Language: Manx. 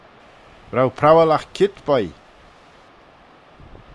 R'ou prowal agh keayrt, boy?